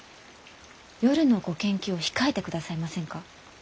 夜のご研究を控えてくださいませんか？